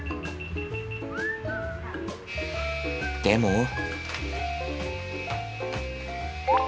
でも。